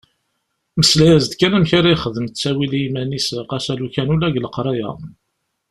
Mmeslay-as-d kan amek ara yexdem ttawil i yiman-is ɣas alukan ula deg leqraya.